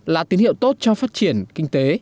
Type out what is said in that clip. là tín hiệu tốt cho phát triển kinh tế